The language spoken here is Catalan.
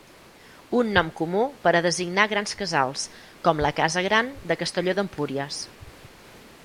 Un nom comú per a designar grans casals, com la Casa Gran de Castelló d'Empúries.